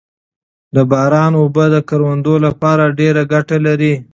د باران اوبه د کروندو لپاره ډېره ګټه لري